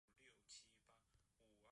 凯文也出演不少肥皂剧节目。